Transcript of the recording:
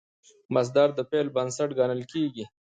مصدر د فعل بنسټ ګڼل کېږي.